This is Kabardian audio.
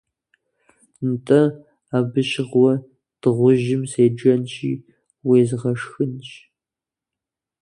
НтӀэ, абы щыгъуэ дыгъужьым седжэнщи, уезгъэшъынщ.